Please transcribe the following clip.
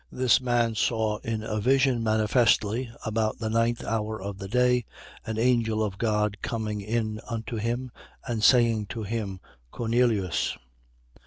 10:3. This man saw in a vision manifestly, about the ninth hour of the day, an angel of God coming in unto him and saying to him: Cornelius.